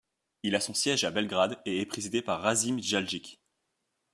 Il a son siège à Belgrade et est présidé par Rasim Ljajić.